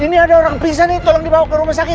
ini ada orang pisah nih tolong dibawa ke rumah sakit